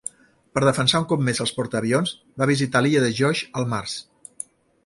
Per defensar un cop més els portaavions, va visitar l'Illa de Geoje al març.